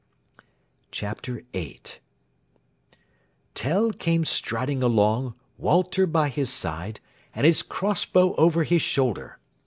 CHAPTER VIII Tell came striding along, Walter by his side, and his cross bow over his shoulder.